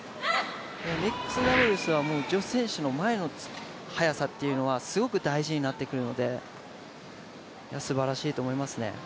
ミックスダブルスは女子選手の前の速さというのはすごく大事になってくるのですばらしいと思いますね。